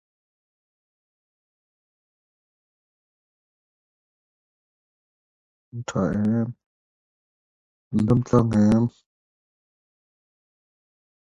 Another brother, Abel, was a cricketer with Staffordshire.